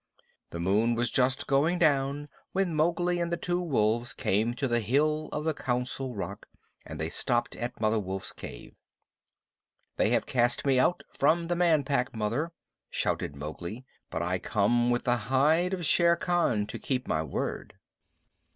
The moon was just going down when Mowgli and the two wolves came to the hill of the Council Rock, and they stopped at Mother Wolf's cave. "They have cast me out from the Man Pack, Mother," shouted Mowgli, "but I come with the hide of Shere Khan to keep my word."